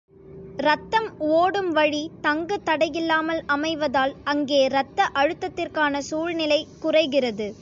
இரத்தம் ஒடும் வழி தங்கு தடையில்லாமல் அமைவதால், அங்கே இரத்த அழுத்தத்திற்கான சூழ்நிலை குறைகிறது.